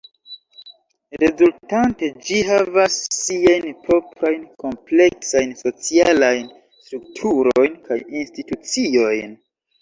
Rezultante ĝi havas siajn proprajn kompleksajn socialajn strukturojn kaj instituciojn.